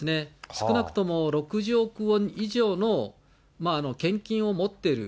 少なくとも６０億ウォン以上の現金を持っている。